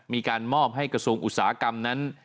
มีการมอบให้กระทรวงอุตสาหกรรมนั้น